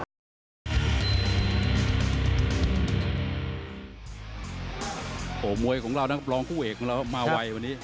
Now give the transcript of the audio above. โห้มวยของเรานั้นก็บร้องผู้เอกเรามาไว้วันนี้